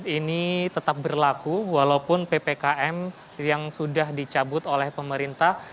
ini tetap berlaku walaupun ppkm yang sudah dicabut oleh pemerintah